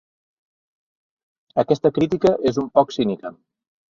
Aquesta crítica és un poc cínica.